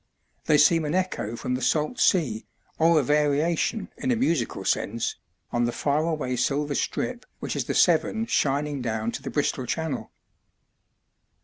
They seem an echo from the salt sea, or a variation (in a musical sense) on the far away silver strip which is the Severn shining down to the Bristol Channel.